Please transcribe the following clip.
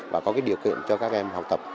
và có điều kiện cho các em học tập